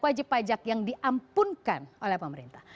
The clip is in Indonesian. wajib pajak yang diampunkan oleh pemerintah